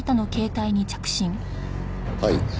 はい。